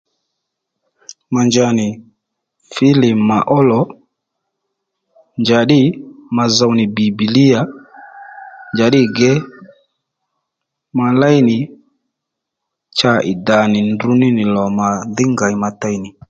Ma nja nì filim mà ó lò njàddî ma zow nì Bibilia njàddî ke ma léy nì cha ì dhà ndruní nì lò mà dhí ngèy ma tey nì